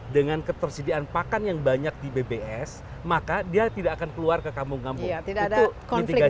dengan ketersediaan pakan yang banyak di bbs maka dia tidak akan keluar ke kampung kampung